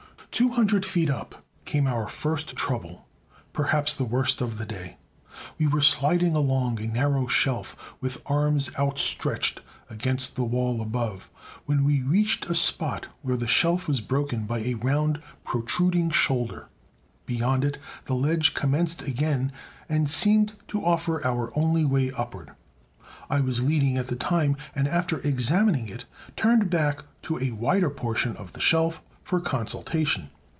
Two hundred feet up came our first trouble, perhaps the worst of the day. We were sidling along a narrow shelf, with arms outstretched against the wall above, when we reached a spot where the shelf was broken by a round protruding shoulder. Beyond it the ledge commenced again and seemed to offer our only way upward. I was leading at the time, and, after examining it, turned back to a wider portion of the shelf for consultation.